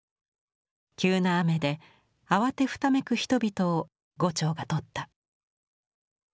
急な雨で慌てふためく人々を牛腸が撮った。